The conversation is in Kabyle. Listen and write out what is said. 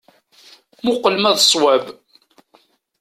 Muqel ma d ṣṣwab.